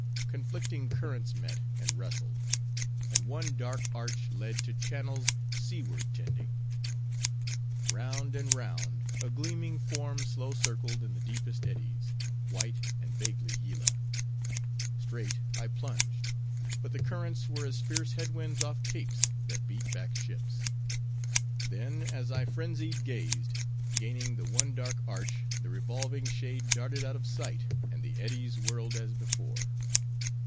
Conflicting currents met, and wrestled; and one dark arch led to channels, seaward tending. Round and round, a gleaming form slow circled in the deepest eddies:— white, and vaguely Yillah. Straight I plunged; but the currents were as fierce headwinds off capes, that beat back ships. Then, as I frenzied gazed; gaining the one dark arch, the revolving shade darted out of sight, and the eddies whirled as before.